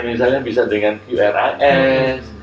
misalnya bisa dengan uras